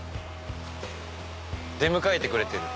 出迎えてくれてる。